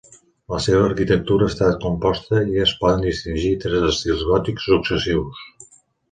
La seva arquitectura està composta, i es poden distingir tres estils gòtics successius.